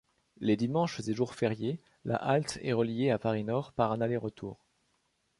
Les dimanches et jours fériés, la halte est reliée à Paris-Nord par un aller-retour.